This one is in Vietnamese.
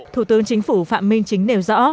thủ tướng chính phủ phạm minh chính nêu rõ